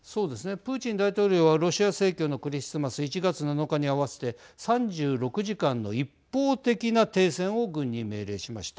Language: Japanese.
プーチン大統領はロシア正教のクリスマス１月７日に合わせて３６時間の一方的な停戦を軍に命令しました。